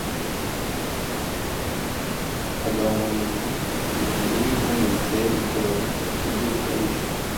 Agahomamunwa: ibintu bibi kandi biteye ubwoba ku buryo bukabije.